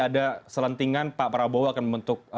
ada selentingan pak prabowo akan membentuk